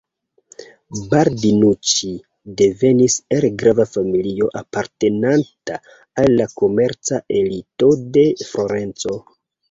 Baldinuĉi devenis el grava familio apartenanta al la komerca elito de Florenco.